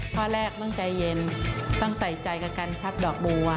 ข้อแรกต้องใจเย็นต้องใส่ใจกับการพักดอกบัว